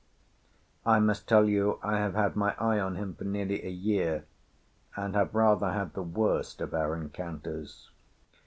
I must tell you I have had my eye on him for nearly a year, and have rather had the worst of our encounters.